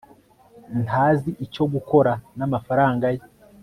ntazi icyo gukora namafaranga ye